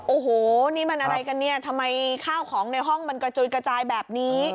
โอ้โหนี่มันอะไรกันเนี่ยทำไมข้าวของในห้องมันกระจุยกระจายแบบนี้